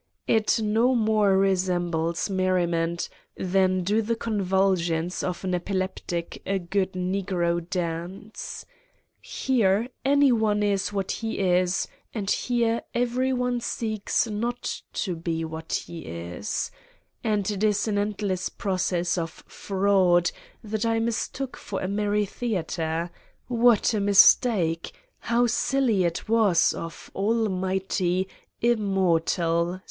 It no more resembles merriment than do the convulsions of an epileptic a good negro dance ! Here any one is what he is and here every one seeks not to be what he is. And it is this end less process of fraud that I mistook for a merry theater : what a mistake, how silly it was of t ' al mighty, immortal"